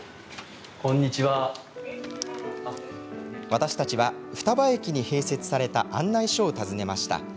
私たちは双葉駅に併設された案内所を訪ねました。